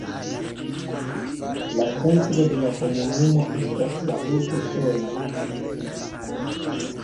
La centro de la komunumo estas la urbo Sola.